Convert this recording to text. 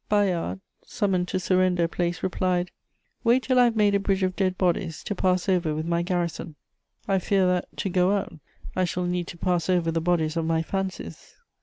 Bayard, summoned to surrender a place, replied: "Wait till I have made a bridge of dead bodies, to pass over with my garrison." I fear that, to go out, I shall need to pass over the bodies of my fancies.